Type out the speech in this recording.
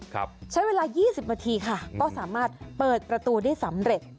ใช้เวลายี่สิบนาทีค่ะก็สามารถเปิดประตูได้สำเร็จ